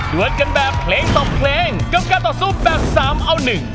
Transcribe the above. วนกันแบบเพลงต่อเพลงกับการต่อสู้แบบสามเอาหนึ่ง